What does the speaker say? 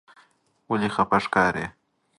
ولې خپه ښکارې؟